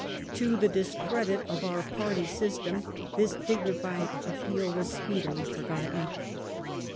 To the discredit of our party system thia dignified appeal was speedily forgotten.